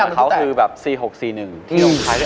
ไม่ตัวเล่นจริงแล้วตัวเล่นของเขาคือ๔๖๔๑